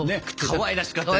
かわいらしかったね